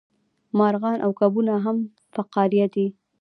مارغان او کبونه هم فقاریه دي